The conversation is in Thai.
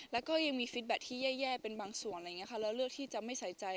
แล้วก็ยังมีฟีดแบทที่แย่เป็นบางส่วนเร้อที่จะไม่ใส่ใจ